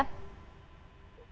kebetulan memang dihususkan